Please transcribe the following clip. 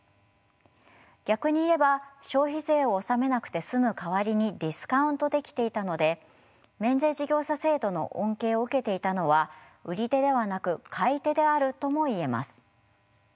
逆に言えば消費税を納めなくて済む代わりにディスカウントできていたので免税事業者制度の恩恵を受けていたのは売り手ではなく買い手であるとも言えます。